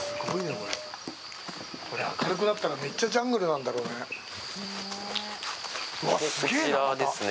これ、明るくなったら、めっちゃジャングルなんだろうね。